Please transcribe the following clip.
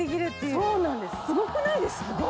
すごくないですか？